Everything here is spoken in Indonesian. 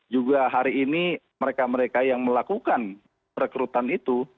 juga hari ini mereka mereka yang melakukan rekrutan itu